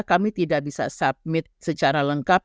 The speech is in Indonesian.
kami tidak bisa submit secara lengkap